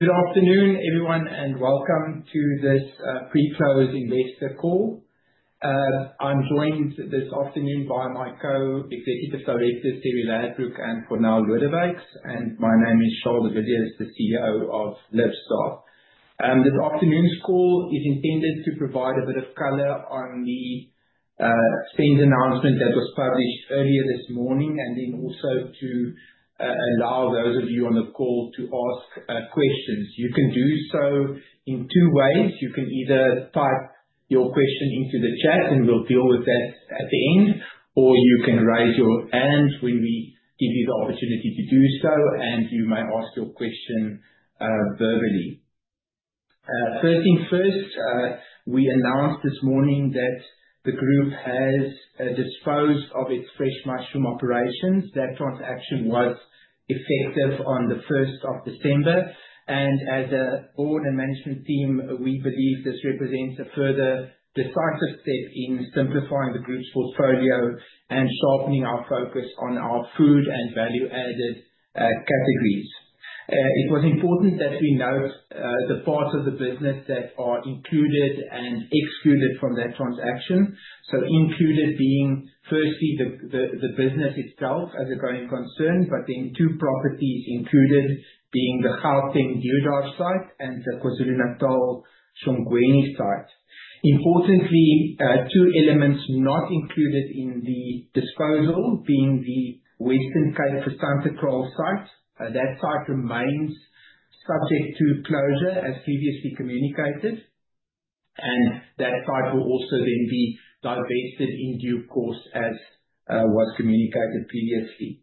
Good afternoon, everyone, and welcome to this pre-close investor call. I'm joined this afternoon by my co-Executive Directors, Terri Ladbrooke and Cornél Lodewyks, and my name is Charl de Villiers, the CEO of Libstar. This afternoon's call is intended to provide a bit of color on the spend announcement that was published earlier this morning, and then also to allow those of you on the call to ask questions. You can do so in two ways. You can either type your question into the chat, and we'll deal with that at the end, or you can raise your hands when we give you the opportunity to do so, and you may ask your question verbally. First things first, we announced this morning that the group has disposed of its fresh mushroom operations. That transaction was effective on the 1st of December. As a board and management team, we believe this represents a further decisive step in simplifying the group's portfolio and sharpening our focus on our food and value-added categories. It was important that we note the parts of the business that are included and excluded from that transaction. Included being, firstly, the business itself as a growing concern, but then two properties included being the Gauteng Deodar site and the KwaZulu-Natal Shongweni site. Importantly, two elements not included in the disposal being the Western Cape Phesantekraal site. That site remains subject to closure as previously communicated, that site will also then be divested in due course as was communicated previously.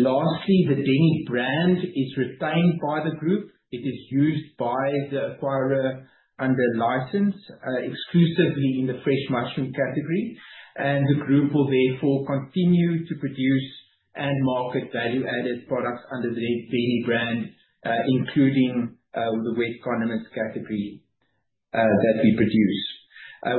Lastly, the Denny brand is retained by the group. It is used by the acquirer under license exclusively in the fresh mushroom category. The group will therefore continue to produce and market value-added products under the Denny brand, including the wet condiments category that we produce.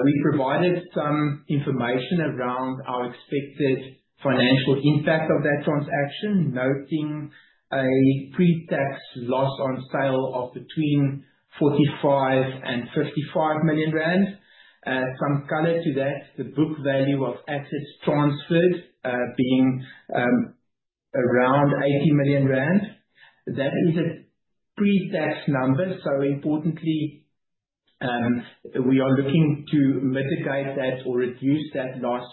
We provided some information around our expected financial impact of that transaction, noting a pre-tax loss on sale of between 45 million and 55 million rand. Some color to that, the book value of assets transferred being around 80 million rand. That is a pre-tax number. Importantly, we are looking to mitigate that or reduce that loss,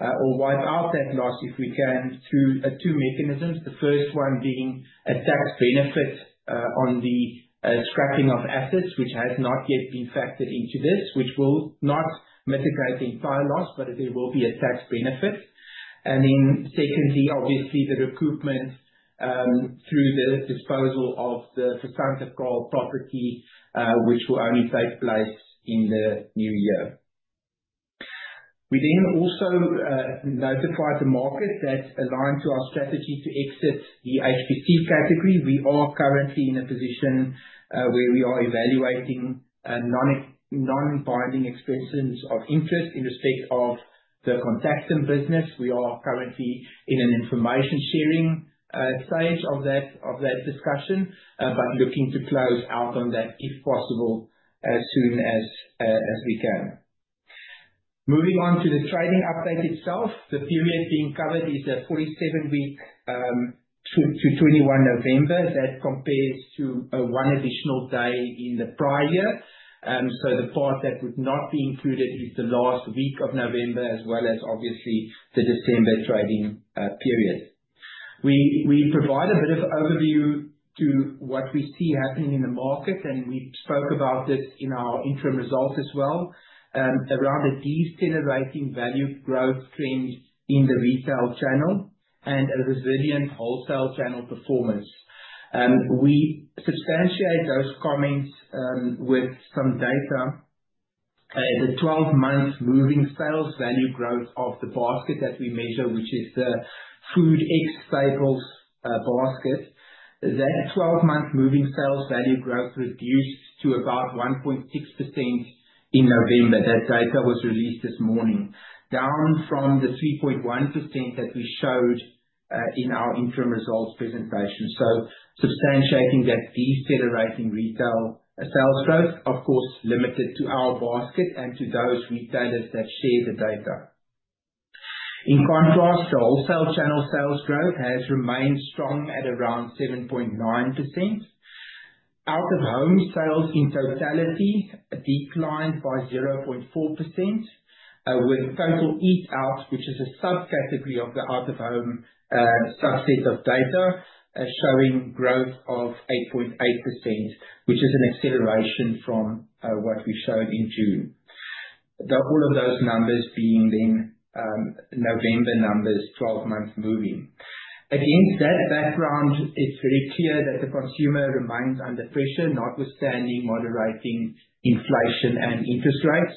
or wipe out that loss if we can through two mechanisms. The first one being a tax benefit on the scrapping of assets, which has not yet been factored into this, which will not mitigate the entire loss, but there will be a tax benefit. Secondly, obviously, the recoupment through the disposal of the Phesantekraal property, which will only take place in the new year. We also notified the market that aligned to our strategy to exit the HPC category. We are currently in a position where we are evaluating non-binding expressions of interest in respect of the Contactim business. We are currently in an information-sharing stage of that discussion. Looking to close out on that if possible, as soon as we can. Moving on to the trading update itself. The period being covered is a 47 week to 21 November. That compares to one additional day in the prior year. The part that would not be included is the last week of November, as well as obviously the December trading period. We provide a bit of overview to what we see happening in the market, and we spoke about it in our interim results as well, around a decelerating value growth trend in the retail channel and a resilient wholesale channel performance. We substantiate those comments with some data. The 12-month moving sales value growth of the basket that we measure, which is the food ex cycles basket. That 12-month moving sales value growth reduced to about 1.6% in November. That data was released this morning. Down from the 3.1% that we showed in our interim results presentation. Substantiating that decelerating retail sales growth, of course, limited to our basket and to those retailers that share the data. In contrast, the wholesale channel sales growth has remained strong at around 7.9%. Out-of-home sales in totality declined by 0.4%, with total eat-out, which is a sub-category of the out-of-home subset of data, showing growth of 8.8%, which is an acceleration from what we showed in June. All of those numbers being then November numbers 12 months moving. Against that background, it's very clear that the consumer remains under pressure, notwithstanding moderating inflation and interest rates.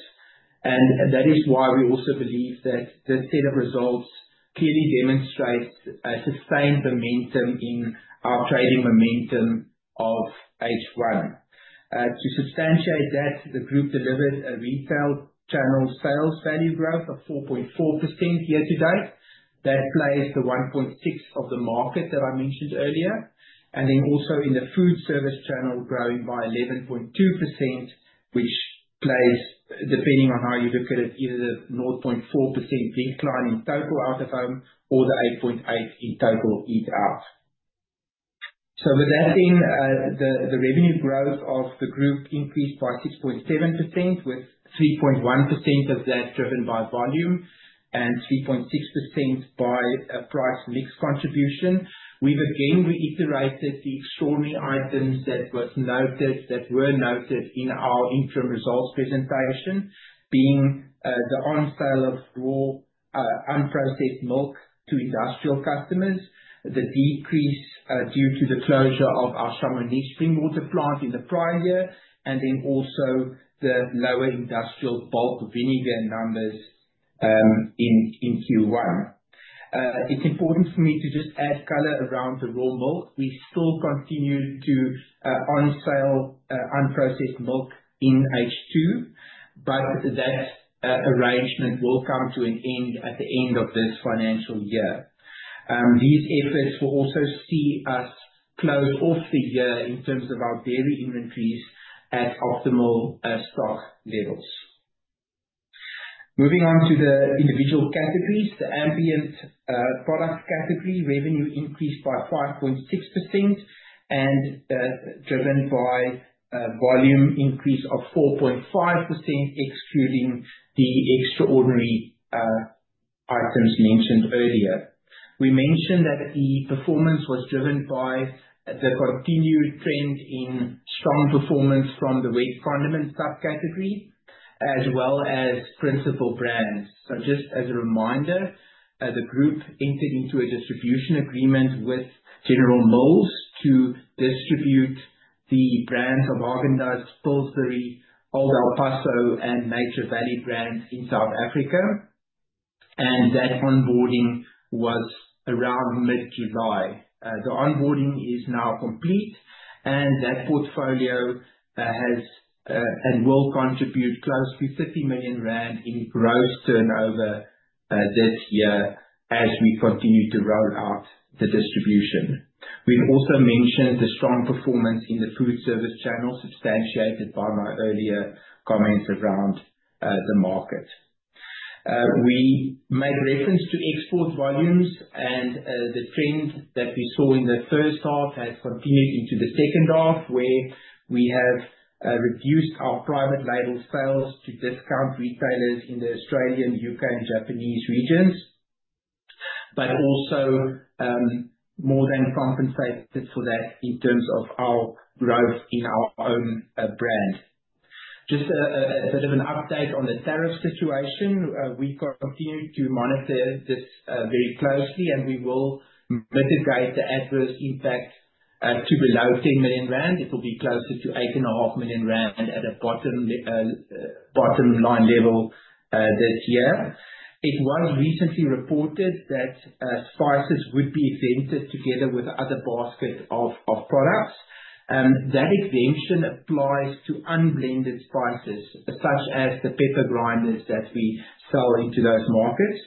That is why we also believe that this set of results clearly demonstrates a sustained momentum in our trading momentum of H1. To substantiate that, the group delivered a retail channel sales value growth of 4.4% year-to-date. That plays the 1.6 of the market that I mentioned earlier. Then also in the food service channel growing by 11.2%, which plays, depending on how you look at it, either the 0.4% decline in total out-of-home or the 8.8 in total eat out. With that being the revenue growth of the group increased by 6.7%, with 3.1% of that driven by volume and 3.6% by price mix contribution. We've again reiterated the extraordinary items that were noted in our interim results presentation, being the on sale of raw, unprocessed milk to industrial customers, the decrease due to the closure of our Summer Pride spring water plant in the prior year, then also the lower industrial bulk vinegar numbers in Q1. It's important for me to just add color around the raw milk. We still continue to on sale unprocessed milk in H2, but that arrangement will come to an end at the end of this financial year. These efforts will also see us close off the year in terms of our dairy inventories at optimal stock levels. Moving on to the individual categories. The ambient products category revenue increased by 5.6% and driven by a volume increase of 4.5%, excluding the extraordinary items we mentioned earlier. We mentioned that the performance was driven by the continued trend in strong performance from the wet condiment subcategory as well as principal brands. Just as a reminder, the group entered into a distribution agreement with General Mills to distribute the brands Häagen-Dazs, Pillsbury, Old El Paso and Nature Valley brands in South Africa. That onboarding was around mid-July. The onboarding is now complete and that portfolio has and will contribute close to 30 million rand in gross turnover this year as we continue to roll out the distribution. We've also mentioned the strong performance in the food service channel substantiated by my earlier comments around the market. We made reference to export volumes and the trend that we saw in the first half has continued into the second half, where we have reduced our private label sales to discount retailers in the Australian, U.K., and Japanese regions. Also more than compensated for that in terms of our growth in our own brand. Just a bit of an update on the tariff situation. We continue to monitor this very closely and we will mitigate the adverse impact to below 10 million rand. It will be closer to 8.5 million rand at a bottom line level this year. It was recently reported that spices would be exempted together with other baskets of products. That exemption applies to unblended spices such as the pepper grinders that we sell into those markets.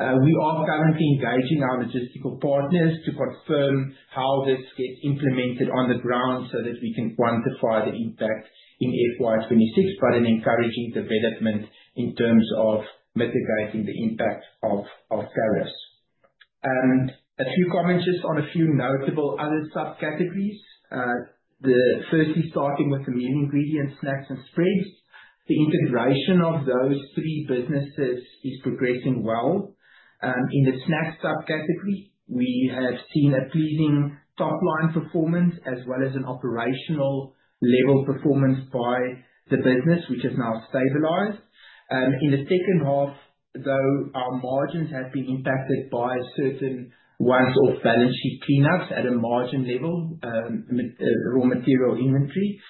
We are currently engaging our logistical partners to confirm how this gets implemented on the ground so that we can quantify the impact in FY 2026, but an encouraging development in terms of mitigating the impact of tariffs. A few comments just on a few notable other subcategories. Firstly, starting with the meal ingredients, snacks, and spreads. The integration of those three businesses is progressing well. In the snacks subcategory, we have seen a pleasing top-line performance as well as an operational level performance by the business, which has now stabilized. In the second half, though, our margins have been impacted by certain once-off balance sheet cleanups at a margin level, raw material inventory.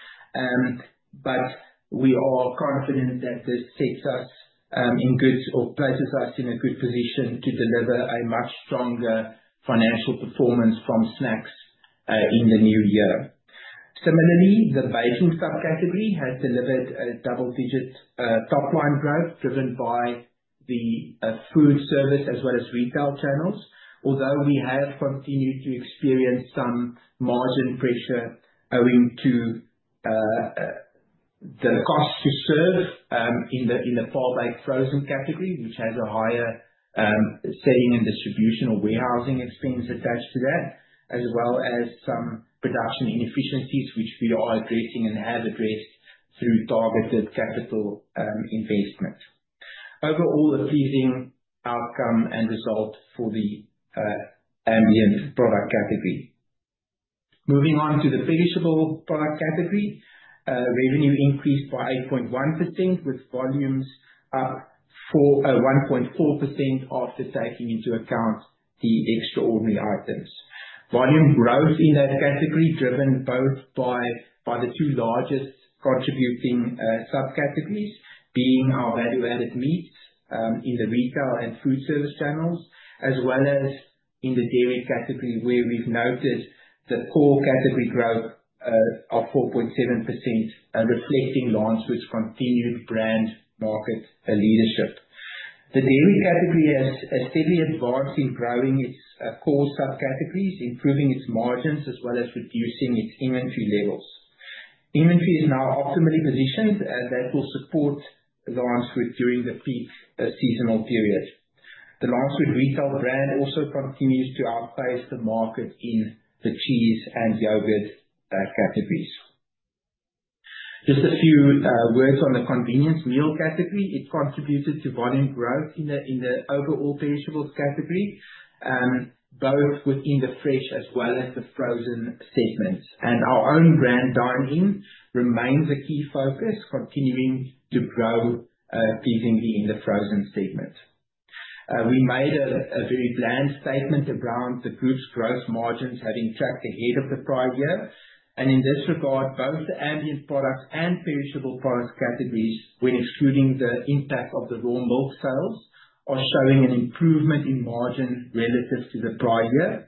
We are confident that this sets us in good or places us in a good position to deliver a much stronger financial performance from snacks in the new year. Similarly, the baking subcategory has delivered a double-digit top-line growth driven by the food service as well as retail channels. Although we have continued to experience some margin pressure owing to the cost to serve in the par-baked frozen category, which has a higher selling and distributional warehousing expense attached to that, as well as some production inefficiencies which we are addressing and have addressed through targeted CapEx investments. Overall, a pleasing outcome and result for the ambient product category. Moving on to the perishable product category. Revenue increased by 8.1%, with volumes up 1.4% after taking into account the extraordinary items. Volume growth in that category driven both by the two largest contributing subcategories being our value-added meats in the retail and food service channels, as well as in the dairy category where we've noted the core category growth of 4.7% reflecting Lancewood's continued brand market leadership. The dairy category has steadily advanced in growing its core subcategories, improving its margins, as well as reducing its inventory levels. Inventory is now optimally positioned, and that will support Lancewood during the peak seasonal period. The Lancewood retail brand also continues to outpace the market in the cheese and yogurt categories. Just a few words on the convenience meal category. It contributed to volume growth in the overall perishables category, both within the fresh as well as the frozen segments. Our own brand driving remains a key focus, continuing to grow pleasingly in the frozen segment. We made a very bland statement around the group's growth margins having tracked ahead of the prior year. In this regard, both the ambient products and perishable products categories, when excluding the impact of the raw milk sales, are showing an improvement in margins relative to the prior year.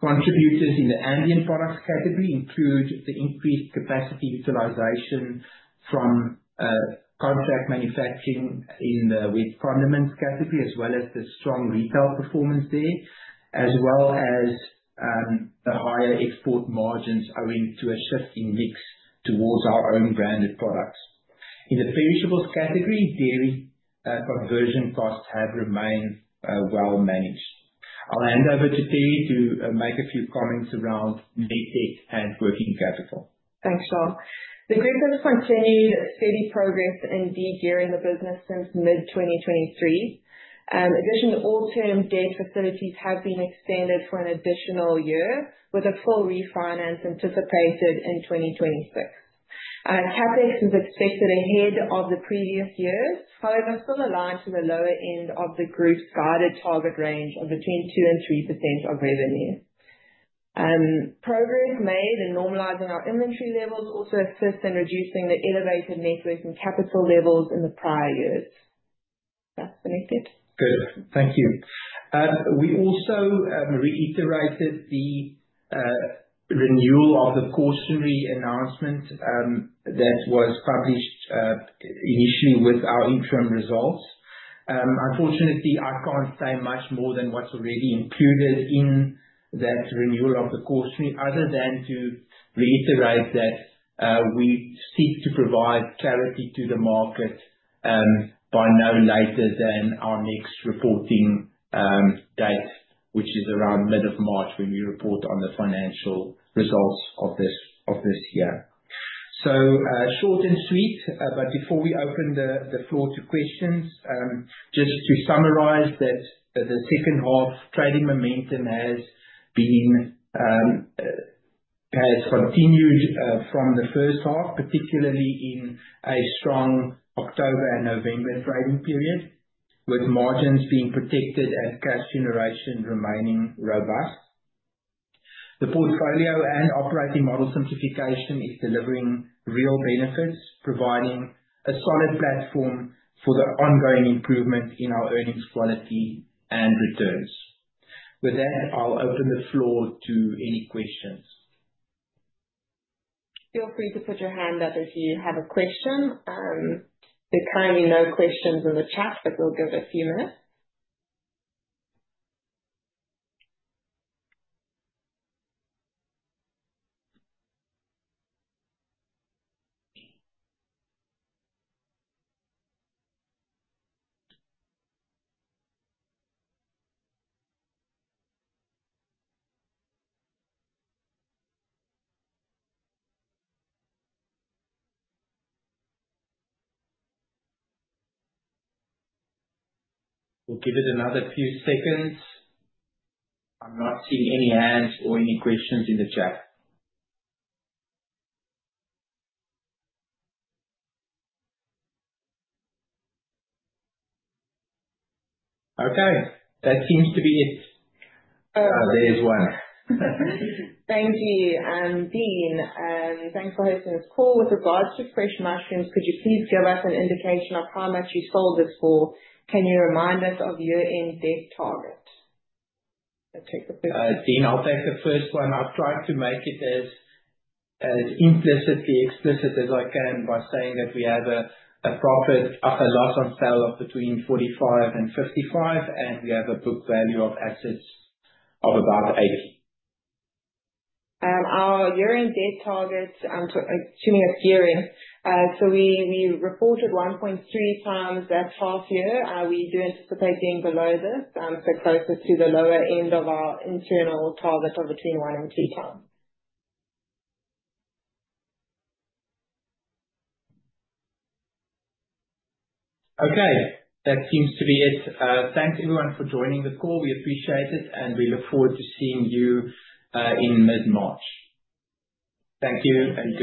Contributors in the ambient products category include the increased capacity utilization from contract manufacturing in the wet condiments category, as well as the strong retail performance there, as well as the higher export margins owing to a shift in mix towards our own branded products. In the perishables category, dairy conversion costs have remained well managed. I'll hand over to Terri to make a few comments around net debt and working capital. Thanks, Charl. The group has continued steady progress in de-gearing the business since mid-2023. In addition, all term debt facilities have been extended for an additional year with a full refinance anticipated in 2026. CapEx is expected ahead of the previous year, however, still aligned to the lower end of the group's guided target range of between 2% and 3% of revenue. Progress made in normalizing our inventory levels also assists in reducing the elevated net debt and capital levels in the prior years. That's the net debt. Good. Thank you. We also reiterated the renewal of the cautionary announcement that was published initially with our interim results. Unfortunately, I can't say much more than what's already included in that renewal of the cautionary, other than to reiterate that we seek to provide clarity to the market by no later than our next reporting date, which is around mid of March, when we report on the financial results of this year. Short and sweet, but before we open the floor to questions, just to summarize that the second half trading momentum has continued from the first half, particularly in a strong October and November trading period, with margins being protected and cash generation remaining robust. The portfolio and operating model simplification is delivering real benefits, providing a solid platform for the ongoing improvement in our earnings quality and returns. With that, I'll open the floor to any questions. Feel free to put your hand up if you have a question. There's currently no questions in the chat. We'll give it a few minutes. We'll give it another few seconds. I'm not seeing any hands or any questions in the chat. That seems to be it. There is one. Thank you. Dean, thanks for hosting this call. With regards to fresh mushrooms, could you please give us an indication of how much you sold it for? Can you remind us of year-end debt target? Dean, I'll take the first one. I'll try to make it as implicitly explicit as I can by saying that we have a profit, a loss on sale of between 45 and 55. We have a book value of assets of about 80. Our year-end debt target, assuming a year-end, so we reported 1.3 times that half year. We do anticipate being below this, so closer to the lower end of our internal target of between one and two times. Okay. That seems to be it. Thanks everyone for joining the call. We appreciate it, and we look forward to seeing you in mid-March. Thank you.